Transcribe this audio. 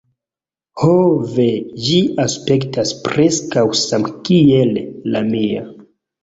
Ho, ve. Ĝi aspektas preskaŭ samkiel la mia!